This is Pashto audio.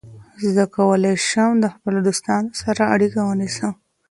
زه کولای شم د خپلو دوستانو سره اړیکه ونیسم.